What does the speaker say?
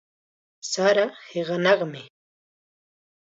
Saraqa hiqanaqmi.